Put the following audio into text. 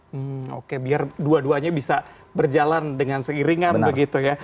hmm oke biar dua duanya bisa berjalan dengan seiringan begitu ya